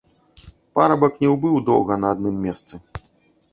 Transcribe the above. Парабак не ўбыў доўга на адным месцы.